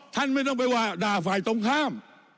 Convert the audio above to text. ท่านไม่ต้องไปว่าด่าฝ่ายตรงข้าม